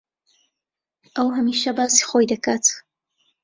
ئەو ھەمیشە باسی خۆی دەکات.